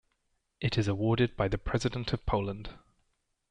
It is awarded by the President of Poland.